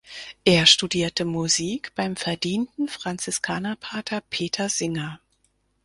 Er studierte Musik beim verdienten Franziskanerpater Peter Singer.